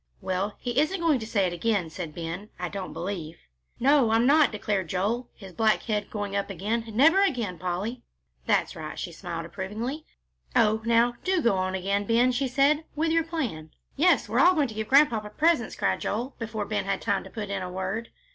"Well, he isn't going to say it again," said Ben, "I don't believe." "No, I'm not," declared Joel, his black head going up again, "never again, Polly." "That's right," and she smiled approvingly. "Oh, now, do go on again, Ben," she said, "with your plan." "Yes, we're all going to give Grandpapa presents," cried Joel, before Ben had time to put in a word.